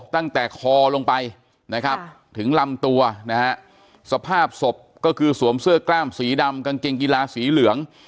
ตั้งแต่คอลงไปนะครับถึงลำตัวนะฮะสภาพศพก็คือสวมเสื้อกล้ามสีดำกางเกงกีฬาสีเหลือง